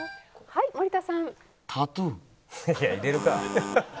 はい森田さん。